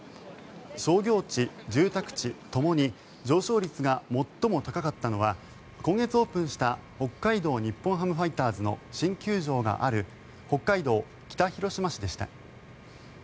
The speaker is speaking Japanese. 商業地・住宅地ともに上昇率が最も高かったのは今月オープンした北海道日本ハムファイターズの新球場がある北海道北広島市でした。